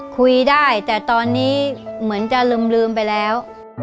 คุยได้แต่ตอนนี้เหมือนจะลืมไปแล้ว